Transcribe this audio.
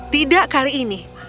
tidak kali ini